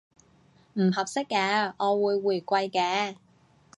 唔合適嘅，我會回饋嘅